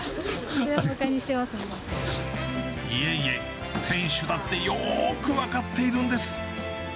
いえいえ、選手だってよく分かっているんです。